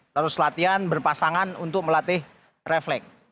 terus latihan berpasangan untuk melatih refleks